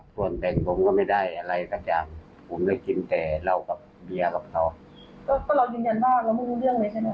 คลอดอยู่ในรันด์บ้านแล้วคุณรู้เรื่องไหม